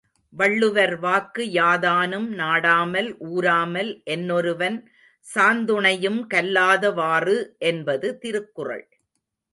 வள்ளுவர் வாக்கு யாதானும் நாடாமால் ஊராமால் என்னொருவன் சாந்துணையும் கல்லாத வாறு. என்பது திருக்குறள்.